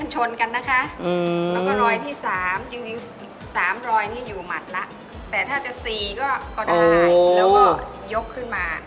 จริง๓รอยนี้อยู่หมัดละแต่ถ้าจะ๔ก็ได้แล้วก็ยกขึ้นมา